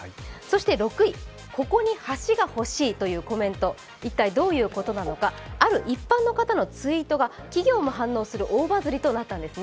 ６位、ここに橋が欲しいというコメント、一体どういうことなのか、ある一般の方のツイートが企業も反応する大バズリとなったんです。